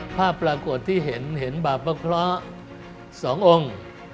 ประกวดที่เห็นบาปเพราะเพราะสององค์